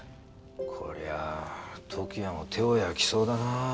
こりゃあ時矢も手を焼きそうだな。